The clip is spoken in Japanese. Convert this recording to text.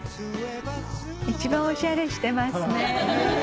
一番おしゃれしてますね。